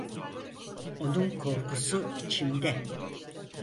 Onun korkusu, içimde.